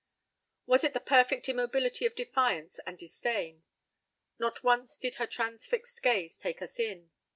p> Was it the perfect immobility of defiance and disdain? Not once did her transfixed gaze take us in.